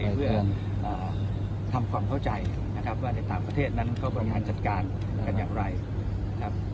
เพื่อทำความเข้าใจนะครับว่าในต่างประเทศนั้นเขาบริหารจัดการกันอย่างไรนะครับ